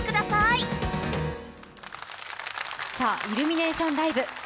さあ、イルミネーションライブ。